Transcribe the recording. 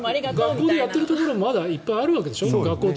学校でやっているところもいっぱいあるわけでしょ。